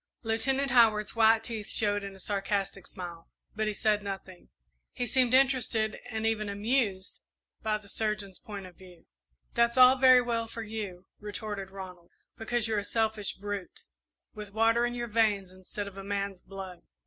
'" Lieutenant Howard's white teeth showed in a sarcastic smile, but he said nothing. He seemed interested and even amused by the surgeon's point of view. "That's all very well for you," retorted Ronald, "because you're a selfish brute, with water in your veins instead of a man's blood.